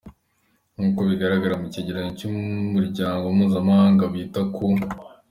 Nk’uko bigaragara mu cyegeranyo cy’umuryango mpuzamahanga wita ku